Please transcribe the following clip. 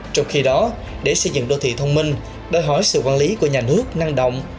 trong khi đó để xây dựng đô thị thông minh đòi hỏi sự quản lý của nhà nước năng động